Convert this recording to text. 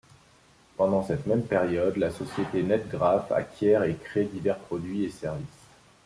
Pendant cette même période, la société Netgraphe acquiert et crée divers produits et services.